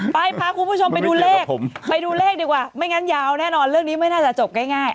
พาคุณผู้ชมไปดูเลขไปดูเลขดีกว่าไม่งั้นยาวแน่นอนเรื่องนี้ไม่น่าจะจบง่าย